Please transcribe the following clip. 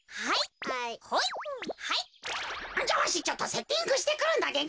じゃあわしちょっとセッティングしてくるのでな。